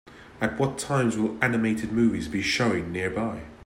At what times will animated movies be showing nearby?